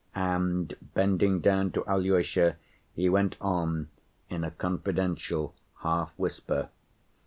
And bending down to Alyosha, he went on in a confidential half‐whisper.